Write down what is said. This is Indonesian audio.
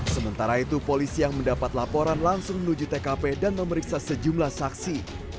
sementara itu polisi yang mendapat laporan langsung menuju tkp dan memeriksa sejumlah saksi